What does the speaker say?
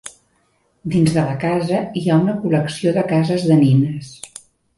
Dins de la casa hi ha una col·lecció de cases de nines.